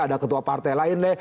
ada ketua partai lain deh